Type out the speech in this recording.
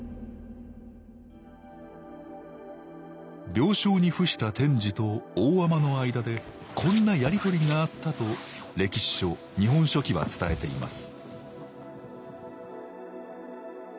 病床に伏した天智と大海人の間でこんなやり取りがあったと歴史書「日本書紀」は伝えています